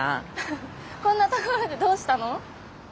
こんなところでどうしたの？